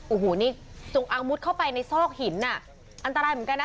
โอ้โหนี่จงอางมุดเข้าไปในซอกหินอ่ะอันตรายเหมือนกันนะ